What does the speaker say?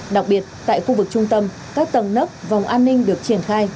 đặc biệt tại khu vực trung tâm các tầng nấp vòng an ninh được triển khai